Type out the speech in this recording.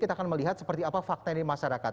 kita akan melihat seperti apa fakta ini masyarakat